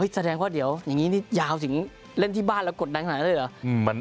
แสดงว่าเดี๋ยวอย่างงี้จริงเล่นที่บ้านแล้วกดนังเท่านั้นเลยเหรอ